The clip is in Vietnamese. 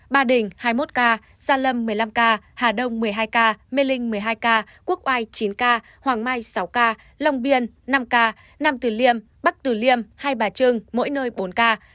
ba đình hai mươi một ca gia lâm một mươi năm ca hà đông một mươi hai ca mê linh một mươi hai ca quốc oai chín ca hoàng mai sáu ca long biên năm ca nam tử liêm bắc tử liêm hai bà trưng mỗi nơi bốn ca